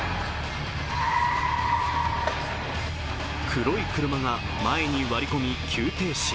黒い車が前に割り込み、急停止。